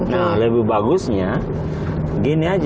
nah lebih bagusnya gini aja